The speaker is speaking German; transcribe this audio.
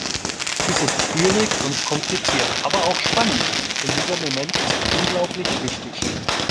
Dies ist schwierig und kompliziert aber auch spannend, denn dieser Moment ist unglaublich wichtig.